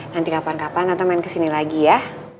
nanti kapan kapan atau main kesini lagi ya